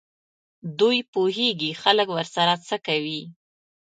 دوی پوهېږي خلک ورسره څه کوي.